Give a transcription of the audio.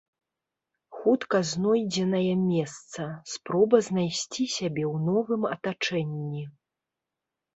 Хутка знойдзенае месца, спроба знайсці сябе ў новым атачэнні.